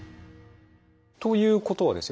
ということはですよ